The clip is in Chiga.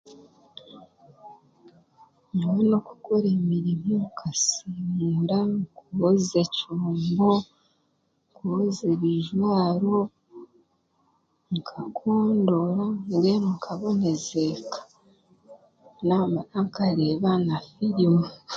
Nyowe n'okukora emirimo nkasiimuura nkoza ekyombo nkoza ebijwaro nkakondora mbwenu nkaboneza eka naamara nkareeba na firimu.